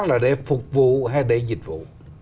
nếu là để phục vụ hay để dịch vụ